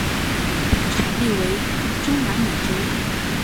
产地为中南美洲。